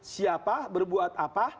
siapa berbuat apa